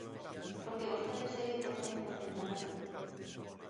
Porque vostedes seguen co tema do endebedamento.